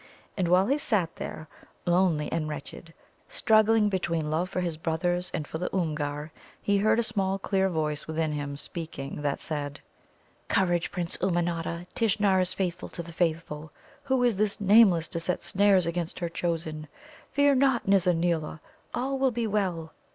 And while he sat there, lonely and wretched, struggling between love for his brothers and for the Oomgar, he heard a small clear voice within him speaking that said: "Courage, Prince Ummanodda! Tishnar is faithful to the faithful. Who is this Nameless to set snares against her chosen? Fear not, Nizza neela; all will be well!"